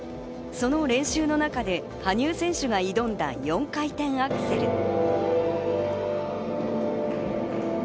その練習の中で羽生選手が挑んだ４回転アクセル。